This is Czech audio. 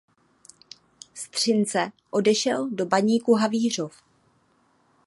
Z Třince odešel do Baníku Havířov.